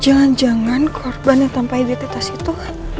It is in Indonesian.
jangan jangan korban yang tanpa identitas itu